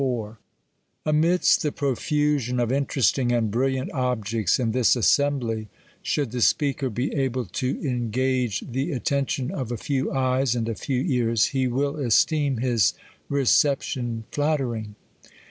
A MIDST the profusion of interesting and brilliant XjLobjects in this assembly, should the speaker be able Z 2 to 2S2 THE COLUIVIBIAN ORATOR. to engage the aiieiition of a few eyes, and a few ears, Ke will esteem his reception flattering.